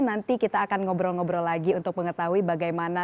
nanti kita akan ngobrol ngobrol lagi untuk mengetahui bagaimana